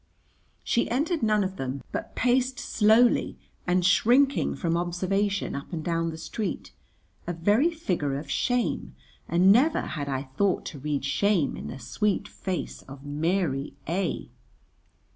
She entered none of them, but paced slowly and shrinking from observation up and down the street, a very figure of shame; and never had I thought to read shame in the sweet face of Mary A